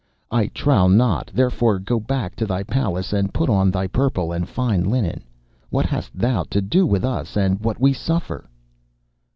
I trow not. Therefore go back to thy Palace and put on thy purple and fine linen. What hast thou to do with us, and what we suffer?